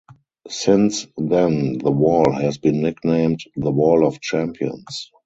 Since then the wall has been nicknamed "The Wall of Champions".